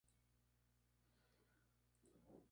Había un montón de bromas entre las tomas.